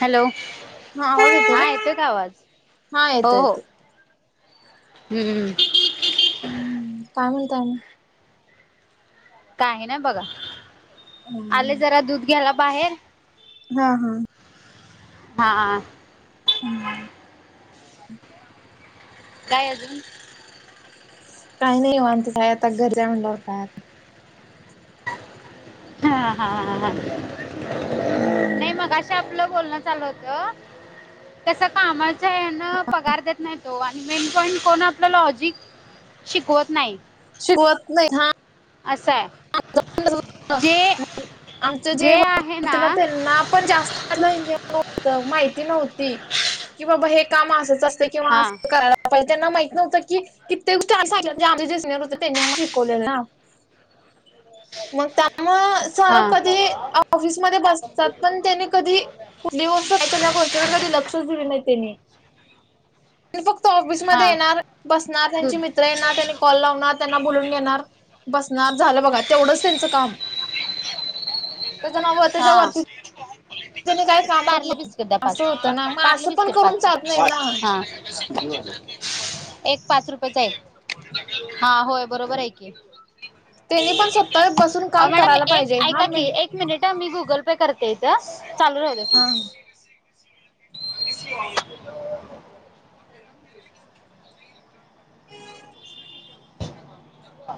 Hello हा येतोय का आवाज? हा हो येतो हो. येतोय हम्म. हम्म काय म्हणताय आणि? काही ना बघा, आले हम्म जरा दूध घ्यायला बाहेर. हा, हा. हा. हम्. काय आजुन? काही नाही निवांतच हाय, आता घरीच हाय म्हणाल्यावर काय आता? हा, हा, हा. हम्म. नाही मगाशी आपलं बोलणं चालू होतं. कस कामाच्या हेन पगार देत नाही ओ. आणि मेन पॉईंट कोण आपलं लॉजिक शिकवत नाही. शिकवत नाही हा‌. अस हाय. आमच जे ना त्यांना पण जास्त हे [unintelligible] माहिती नव्हती, की बाबा हे काम असंच असतय किंवा हा असं करायला पहिले त्यांना माहित नव्हतं की कित्येक, [unintelligible] जे सिनियर होते त्यांनी आम्हाला शिकवले ना. मग त्यामुळ सर हा कधी ऑफिसमध्ये बसतात. पण त्याने कधी कुठली गोष्ट या गोष्टीकडे कधी लक्षच दिले नाही त्यांनी. फक्त हा ऑफिसमध्येयेणार बसणार त्यांची दूध मि टिग ला येणार, त्यांनी कॉल लावणार त्यांना बोलून घेणार बसणार. झालं बघा तेवढंच त्यांच काम, त्याच नाव त्याच्यावरती त्यानी काही काम करत पारले नव्हते. बिस्किट द्या असं होतं ना पाचच, मग पारले असं पण बिस्किट करून पाच चालत नाही ना. हा. [inaudible] एक पाच रुपयाचा एक हा होय बरोबर आहे की. त्यांनी पण स्वतः बसून काम मॅडम करायला एक पाहिजे हा ऐकाकी मेन एक एक मिनिट मी गुगल पे करतेयत इथ चालू राहूदे. हा. [inaudible] [inaudible] हा.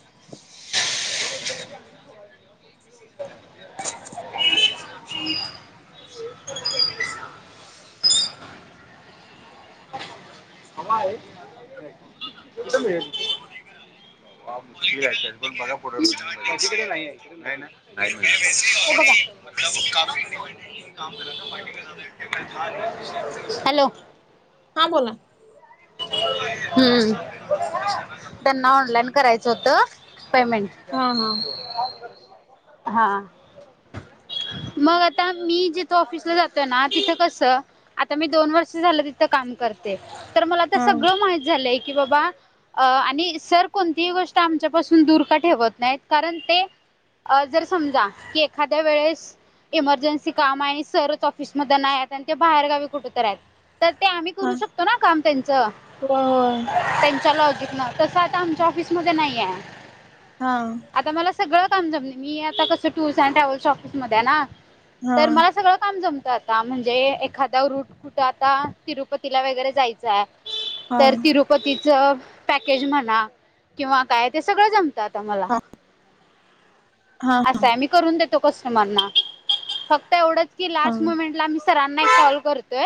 [inaudible] [inaudible] [inaudible] [inaudible] [inaudible] ब पण बघा पुढं नाही ना? नाही काय? हॅलो. हां बोला. हम्म त्यांना ऑनलाईन करायचं होतं पेमेंट. हा हा हा. मग आता मी जिथ ऑफिसला जातोय ना तिथं कसं? आता मी दोन वर्ष झाल तिथ काम करते. तर मला आता हा सगळ माहित झालय की बाबा अ आणि सर कोणतीही गोष्ट आमच्यापासून दूर का ठेवत नाहीत. कारण ते, अ जर समजा की एखाद्या वेळेस इमर्जन्सी काम आहे आणि सरच ऑफिस मध्ये नाही आहेत आणि ते बाहेरगावी कुठ तर आहेत. तर ते आम्ही हा करू शकतो ना काम त्यांच होय होय त्यांच्या लॉजिक न‌ तस आता आमच्या ऑफिसमध्ये नाहीये. हां आता मला सगळ काम जमत, मी आता कस टूर्स अँड ट्रॅव्हल्सच्या ऑफिसमध्ये आहे ना. हा तर मला सगळ काम जमत. आता म्हणजे एखादा रूट कुठ आता तिरुपतीला वगैरे जायच आहे. हा तर तिरुपतीच पॅकेज म्हणा किंवा काय ते सगळ जमत. आता मला. हां असत मी करून देतो कस्टमरला फक्त एवढच की हा लास्ट मुमेंटला सरांना एक कॉल करतोय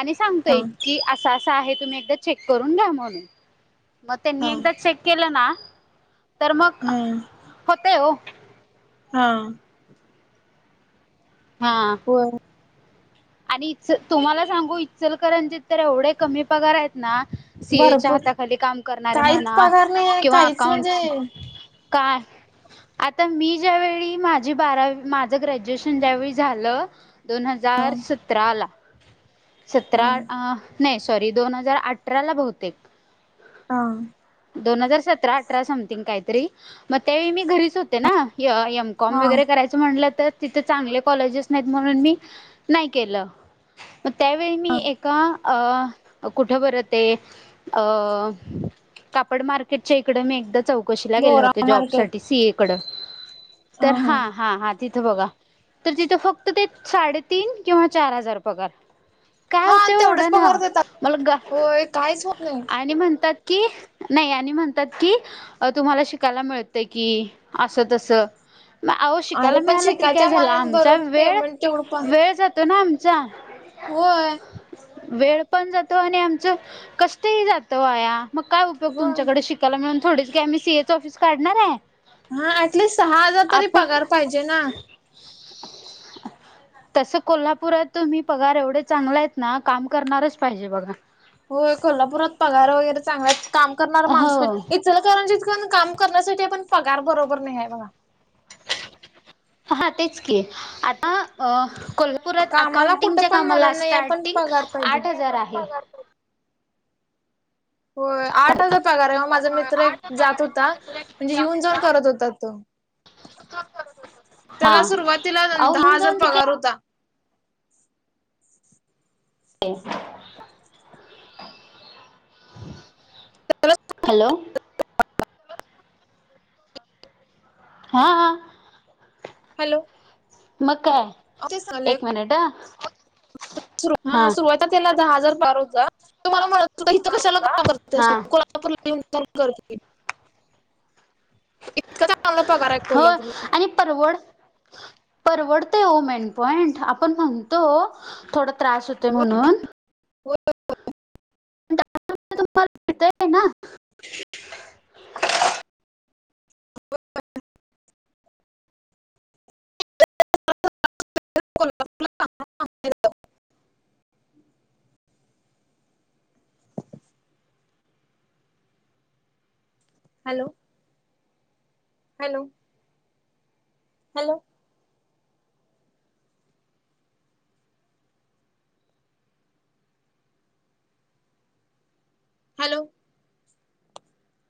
आणि हा सांगतोय की अस अस अस आहे तुम्ही एकदा चेक करून घ्या म्हणून मग त्यांनी हा एकदा चेक केल ना तर मग हा होतय हो. हां हां बोल आणि तुम्हाला सांगू इचलकरंजित तर एवढे कमी पगार आहेत ना. सी ए च्या भरपूर हाताखाली काम करणारे काहीच म्हणा पगार नाही आहे किंवा काहीच म्हणजे अकाउंटस काय आता मी ज्यावेळी माझी बारावी माझ ग्रॅज्युएशन ज्यावेळी झाल. दोन हा हजार सतराला हा सतरा नाही सॉरी दोन हजार अठराला बहुतेक. हां दोन हजार सतरा अठरा समथिंग काहीतरी मग त्यावेळी मी घरीच होतेना. [unintelligible] बी कॉम हा वगैरे करायच म्हटल तर तिथे चांगले कॉलेजेस नाहीत म्हणून मी केल. मग त्यावेळी मी एका कुठ बर ते. अ कापड मार्केटच्या इकडे मी एकदा चौक चौकशीला गेले भोरा होते जॉब मार्केट साठी सी ए कड ह तर ह हां हां हां. तिथ बघा तर तिथ फक्त ते साडेतीन किंवा चार हजार पगार. काय हा होतय ओ तेवढेच एवढ्यान पगार देतात मला ग होय काहीच होत नाही आणि म्हणतात. कि नाही आणि म्हणतात की अ तुम्हाला शिकायला मिळत की अस तस. मग आवो अरे शिकायला पण मिळाल तरी काय शिकायच्या झाल मानात बर आमचा वेळ पेमेंट तेवढं पण वेळ जातो ना आमचा. होय वेळ पण जातो आणि आमच कष्टही जात वाया, मग काय उपयोग होय तुमच्याकडे शिक त्याला म्हणाव थोडीच काय आम्ही सी एच ऑफिस काढणार आहे? हां ऍटलिस्ट सहा हजार तरी पगार पाहिजे ना? तस कोल्हापुरात तुम्ही पगार एवढे चांगले आहेत ना काम करणारच पाहिजे बघा. होय कोल्हापूरात पगार वगैरे चांगला आहेत काम करणारा माणूस हो पाहिजे‌. इंचलकरंजीत पण काम करण्यासाठी आपण पगार बरोबर नाही आहे बघा. हां तेच की आता कोल्हा परत कामाला कुठं अकाउंटिंगच्या पण कामाला मरण नाही आहे, पण स्टार्टिंग पगार पाहिजे. आठ हजार आहे. होय आठ हजार पगार आहे ओ माझा मित्र एक जात होता म्हणजे येऊन जाऊन करत होता तो. हा त्याला सुरुवातीला दहा येऊन हजार जाऊन ते केल पगार होता. हॅलो हा हा हॅलो मग तेच काय सांगालोय एक मिनिटं हा हा सुरुवातीला दहा हजार पगार होता तो मला म्हणतं होता इथं कशाला का करते हा कोल्हापूरला कोल्हापूरला येऊन जाऊन कर. इतका चांगला पगार आहे होय कोल्हापूरला. आणि परवड परवडते मेन पॉईंट आपण म्हणतो थोडं त्रास होते म्हणून होय तुमला भत आहे ना [unintelligible] [inaudible] [inaudible] [inaudible] हॅलो हॅलो हॅलो हॅलो